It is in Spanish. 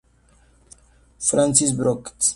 Francis Brooks.